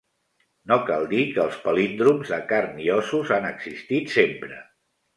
No cal dir que els palíndroms de carn i ossos han existit sempre.